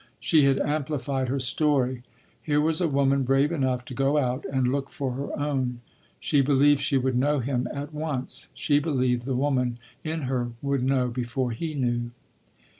She had amplified her story. Here was a woman brave enough to go out and look for her own. She believed she would know him at once. She believed the woman in her would know before he knew.